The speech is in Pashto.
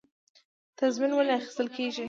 تضمین ولې اخیستل کیږي؟